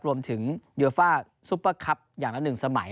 รวมถึงโยฟ่าซุปเปอร์คลับอย่างละ๑สมัย